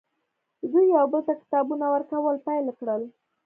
دوی یو بل ته کتابونه ورکول پیل کړل